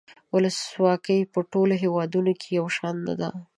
ولسواکي په ټولو هیوادونو کې یو شان نده.